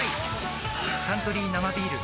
「サントリー生ビール」